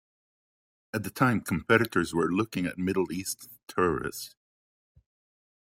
At the time, competitors were looking at Middle East terrorists.